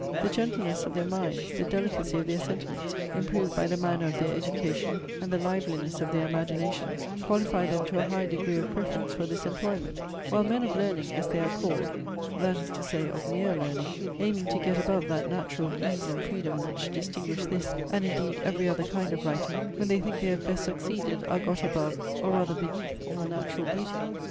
The gentleness of their minds, the delicacy of their sentiments, (improved by the manner of their education, and the liveliness of their imaginations, qualify them to a high degree of preference for this employment;) while men of learning, as they are called, (that is to say, of mere learning,) aiming to get above that natural ease and freedom which distinguish this, (and indeed every other kind of writing,) when they think they have best succeeded, are got above, or rather beneath, all natural beauty.'